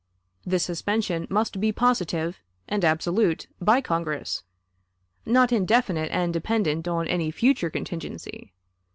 This suspension must be positive and absolute by Congress, not indefinite and dependent on any future contingency.